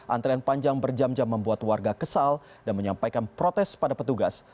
antrean panjang berjam jam membuat warga kesal dan menyampaikan protes pada petugas